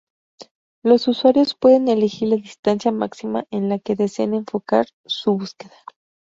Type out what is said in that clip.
Los usuarios pueden elegir la distancia máxima en la que desean enfocar su búsqueda.